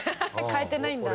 変えてないんだ。